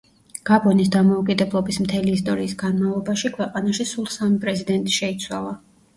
გაბონის დამოუკიდებლობის მთელი ისტორიის განმავლობაში ქვეყანაში სულ სამი პრეზიდენტი შეიცვალა.